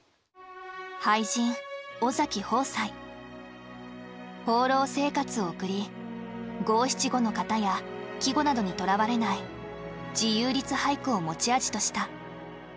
俳人放浪生活を送り五七五の型や季語などにとらわれない自由律俳句を持ち味とした。